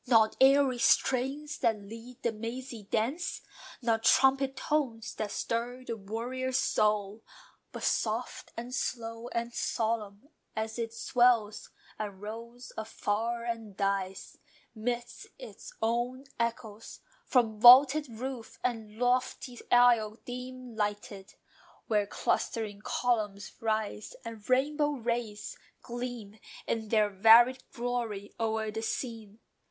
Not airy strains, that lead the mazy dance; Not trumpet tones, that stir the warrior's soul; But soft, and slow, and solemn, as it swells And rolls afar and dies, midst its own echoes From vaulted roof, and lofty aisle dim lighted, Where clustering columns rise, and rainbow rays Gleam in their varied glory o'er the scene.